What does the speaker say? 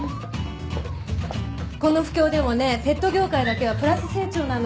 この不況でもねペット業界だけはプラス成長なの。